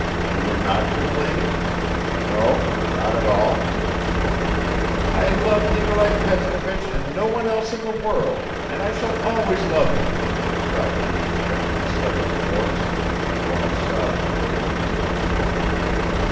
"You were not to blame? No? Not at all?" "I love Nikolai Petrovich and no one else in the world and I shall always love him!" cried Fenichka with sudden force, while sobs rose in her throat.